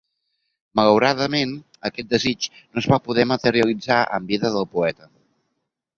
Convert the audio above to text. Malauradament, aquest desig no es va poder materialitzar en vida del poeta.